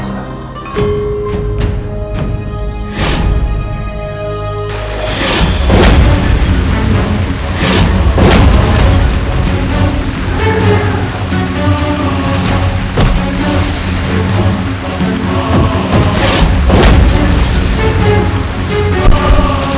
aku akan mencari ucapanmu